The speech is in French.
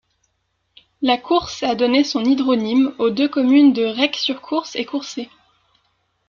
La Course a donné son hydronyme aux deux communes de Recques-sur-Course et Courset.